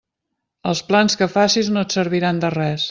Els plans que facis no et serviran de res.